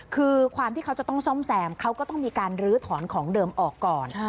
คือความที่เขาจะต้องซ่อมแซมเขาก็ต้องมีการลื้อถอนของเดิมออกก่อน